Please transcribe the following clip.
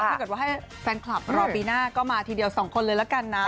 ถ้าเกิดว่าให้แฟนคลับรอปีหน้าก็มาทีเดียว๒คนเลยละกันนะ